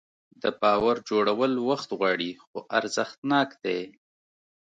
د باور جوړول وخت غواړي خو ارزښتناک دی.